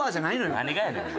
何がやねんお前。